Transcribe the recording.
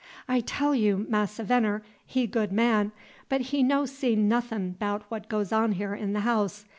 "I tell you. Massa Venner, he good man, but he no see nothin' 'bout what goes on here in the house.